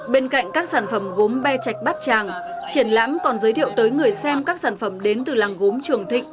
bên cạnh các sản phẩm gốm be chạch bát tràng triển lãm còn giới thiệu tới người xem các sản phẩm đến từ làng gốm trường thịnh